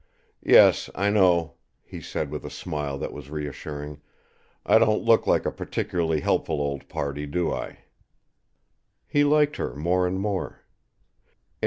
"Yes, I know," he said with a smile that was reassuring; "I don't look like a particularly helpful old party, do I?" He liked her more and more.